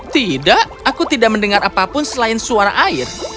tidak aku tidak mendengar apapun selain suara air